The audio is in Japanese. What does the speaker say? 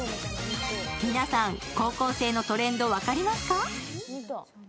皆さん、高校生のトレンド、分かりますか？